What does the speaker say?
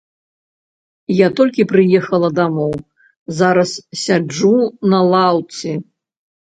Я толькі прыехала дамоў, зараз сяджу на лаўцы.